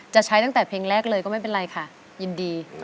ใช้ตั้งแต่เพลงแรกเลยก็ไม่เป็นไรค่ะยินดี